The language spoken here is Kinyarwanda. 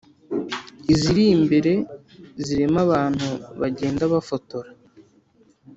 iziri imbere zirimo abantu bagenda bafotora,